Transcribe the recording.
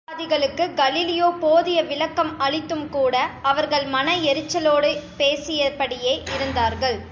மதவாதிகளுக்குக் Galileo போதிய விளக்கம் அளித்தும்கூட, அவர்கள் மன எரிச்சலோடு பேசியபடியே இருந்தார்கள்.